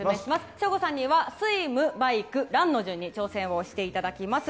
省吾さんにはスイム、バイク、ランの順に挑戦していただきます。